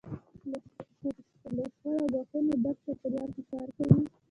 که له شخړې او ګواښونو ډک چاپېریال کې کار کوئ.